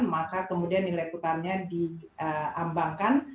maka kemudian nilai utangnya diambangkan